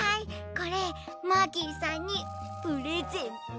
これマーキーさんにプレゼント。